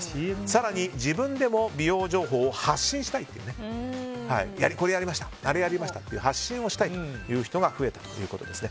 更に、自分でも美容情報を発信したいというこれやりました、あれやりましたという発信をしたい人が増えたということです。